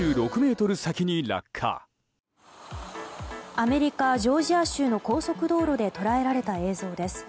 アメリカ・ジョージア州の高速道路で捉えられた映像です。